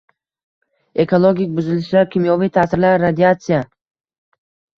Ekologik buzilishlar, kimyoviy ta’sirlar, radiatsiya.